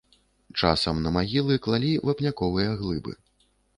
Часам на магілы клалі вапняковыя глыбы.